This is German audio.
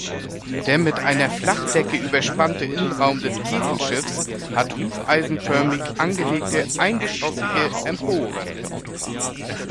Der mit einer Flachdecke überspannte Innenraum des Kirchenschiffs hat hufeisenförmig angelegte eingeschossige Emporen.